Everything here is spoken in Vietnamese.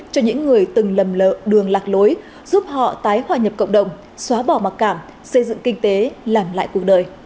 cho những người từng lầm lỡ đường lạc lối giúp họ tái hòa nhập cộng đồng xóa bỏ mặc cảm xây dựng kinh tế làm lại cuộc đời